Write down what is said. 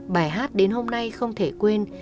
bài hát đến hôm nay không thể quên